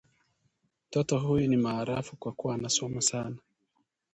Mtoto huyu ni maarafu kwa kuwa anasoma sana